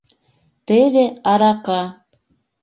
Теве арака!..